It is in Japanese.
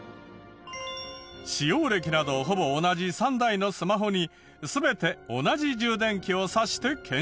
使用歴などほぼ同じ３台のスマホに全て同じ充電器をさして検証。